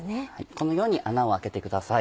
このように穴を開けてください。